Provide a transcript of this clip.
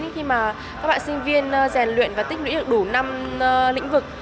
khi mà các bạn sinh viên rèn luyện và tích lũy được đủ năm lĩnh vực